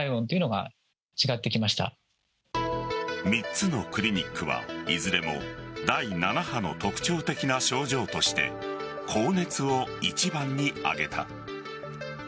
３つのクリニックはいずれも第７波の特徴的な症状として高熱を一番に挙げた。